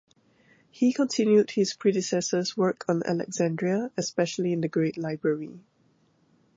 He continued his predecessors' work on Alexandria, especially in the Great Library.